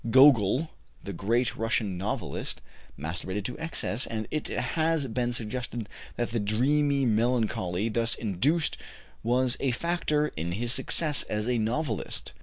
Gogol, the great Russian novelist, masturbated to excess, and it has been suggested that the dreamy melancholy thus induced was a factor in his success as a novelist.